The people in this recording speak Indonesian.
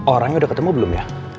orangnya udah ketemu belum ya